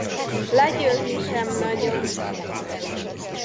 Legyőzni sem nagyon.